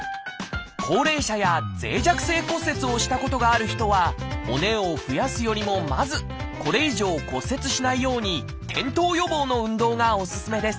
高齢者や脆弱性骨折をしたことがある人は骨を増やすよりもまずこれ以上骨折しないように転倒予防の運動がおすすめです。